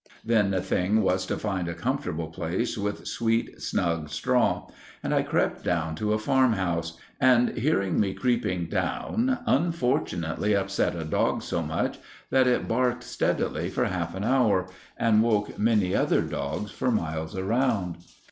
Then the thing was to find a comfortable place with sweet, snug straw; and I crept down to a farmhouse; and, hearing me creeping down unfortunately upset a dog so much that it barked steadily for half an hour and woke many other dogs for miles round.